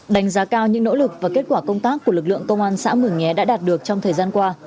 đánh giá cao những nỗ lực và kết quả công tác của lực lượng công an xã mường nhé đã đạt được trong thời gian qua